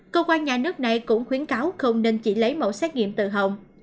cơ quan nhà nước này cũng khuyến cáo không nên chỉ lấy mẫu xét nghiệm từ hồng